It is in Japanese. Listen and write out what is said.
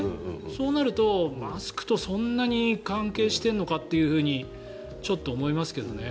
そうなると、マスクとそんなに関係してるのかってちょっと思いますけどね。